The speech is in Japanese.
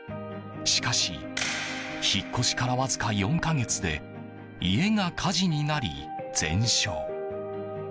しかし、引っ越しからわずか４か月で家が火事になり全焼。